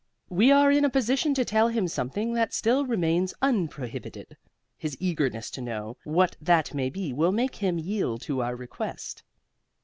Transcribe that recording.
We are in a position to tell him something that still remains unprohibited. His eagerness to know what that may be will make him yield to our request."